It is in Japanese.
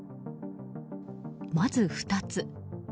まず、２つ。